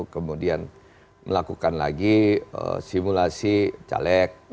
kemudian melakukan lagi simulasi caleg